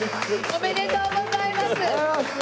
ありがとうございます！